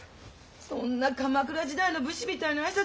そんな鎌倉時代の武士みたいな挨拶しないでよ。